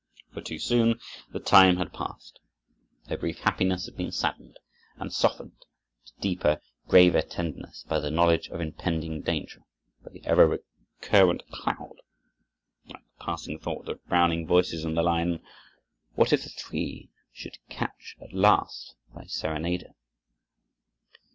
For too soon the time had passed. Their brief happiness had been saddened and softened to deeper, graver tenderness by the knowledge of impending danger, by the ever recurrent cloud like the passing thought that Browning voices in the line: "What if the Three should catch at last thy serenader?"